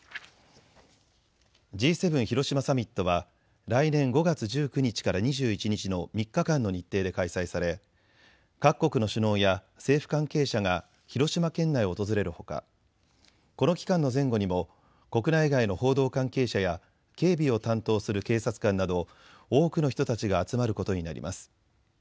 Ｇ７広島サミットは来年５月１９日から２１日の３日間の日程で開催され各国の首脳や政府関係者が広島県内を訪れるほか、この期間の前後にも国内外の報道関係者や警備を担当する警察官など多くの人たちが集まることになります。